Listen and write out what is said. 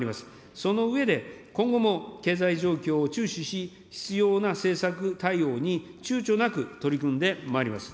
その上で、今後も経済状況を注視し、必要な政策対応にちゅうちょなく取り組んでまいります。